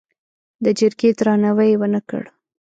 د جرګې درناوی یې ونه کړ.